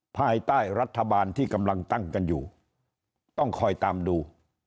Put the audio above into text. ภายใต้รัฐบาลที่กำลังตั้งกันอยู่ต้องคอยตามดู